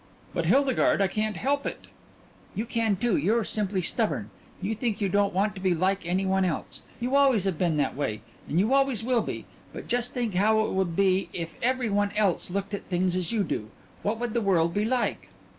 "But, Hildegarde, I can't help it." "You can too. You're simply stubborn. You think you don't want to be like any one else. You always have been that way, and you always will be. But just think how it would be if every one else looked at things as you do what would the world be like?"